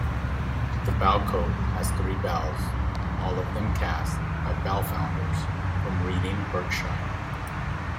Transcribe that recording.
The bellcote has three bells, all of them cast by bellfounders from Reading, Berkshire.